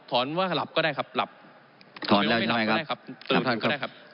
ถอนครับถอนว่าหลับก็ได้ครับหลับถอนแล้วใช่ไหมครับหลับก็ได้ครับ